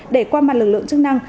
để qua mặt lực lượng chức năng